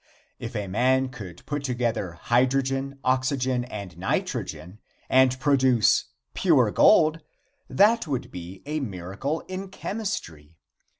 If a man could put together hydrogen, oxygen and nitrogen and produce pure gold, that would be a miracle in chemistry.